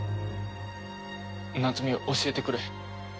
夏美教えてくれ。